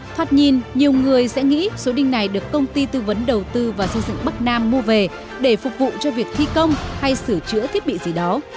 thoạt nhìn nhiều người sẽ nghĩ số đinh này được công ty tư vấn đầu tư và xây dựng bắc nam mua về để phục vụ cho việc thi công hay sửa chữa thiết bị gì đó